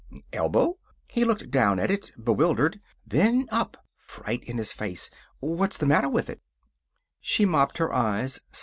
"Elbow?" He looked down at it, bewildered, then up, fright in his face. "What's the matter with it?" She mopped her eyes.